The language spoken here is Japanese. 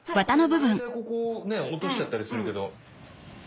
大体ここ落としちゃったりするけど。